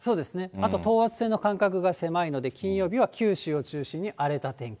あと等圧線の間隔が狭いので、金曜日は九州を中心に荒れた天気。